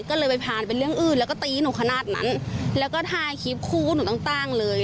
ก็เลยไปผ่านเป็นเรื่องอื่นแล้วก็ตีหนูขนาดนั้นแล้วก็ถ่ายคลิปคู่หนูต้องตั้งเลย